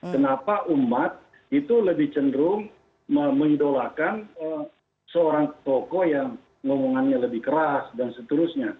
kenapa umat itu lebih cenderung mendolakan seorang tokoh yang ngomongannya lebih keras dan seterusnya